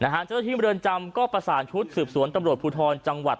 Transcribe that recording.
เจ้าหน้าที่เมืองจำก็ประสานชุดสืบสวนตำรวจภูทรจังหวัด